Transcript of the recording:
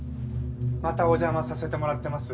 またお邪魔させてもらってます。